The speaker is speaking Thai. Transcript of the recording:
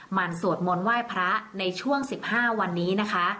มันสวดมนต์ไหว้พระในช่วง๑๕วันนี้นะคะ